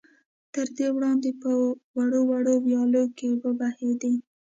تر دې وړاندې په وړو وړو ويالو کې اوبه بهېدې.